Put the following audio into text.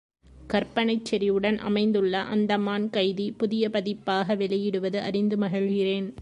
கற்பனைச் செறிவுடன் அமைந்துள்ள அந்தமான் கைதி புதிய பதிப்பாக வெளியிடுவது அறிந்து மகிழ்கிறேன்.